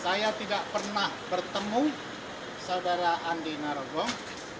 saya tidak pernah bertemu saudara andi narogong